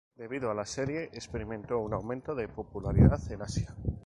Debido a la serie experimentó un aumento de popularidad en Asia.